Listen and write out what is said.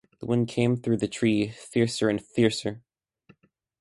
The wind came through the tree fiercer and fiercer.